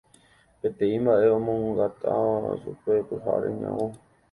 peteĩ mba'e omoangatáva chupe pyhare ñavõ